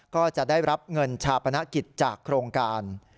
ก็จะได้รับเงินชาปนกิจจากโครงการ